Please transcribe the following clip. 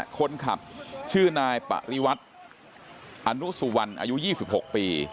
คนขับชื่อนายปริวัติอนุสวรรค์อายุยี่สิบหกปี